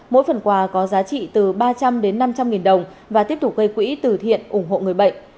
mỗi phần quà có giá trị từ ba trăm linh đến năm trăm linh nghìn đồng và tiếp tục gây quỹ từ thiện ủng hộ người bệnh